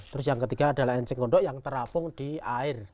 terus yang ketiga adalah enceng gondok yang terapung di air